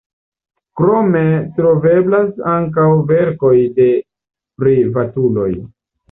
Krome troveblas ankaŭ verkoj de privatuloj.